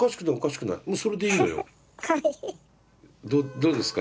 どうですか？